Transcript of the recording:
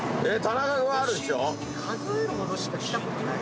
数えるほどしか来たことない。